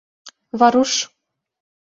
Варуш.